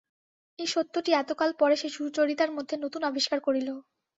এই সত্যটি এতকাল পরে সে সুচরিতার মধ্যে নূতন আবিষ্কার করিল।